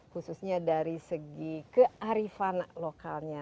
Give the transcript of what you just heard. khususnya dari segi kearifan lokalnya